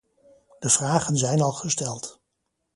De vragen zijn al gesteld.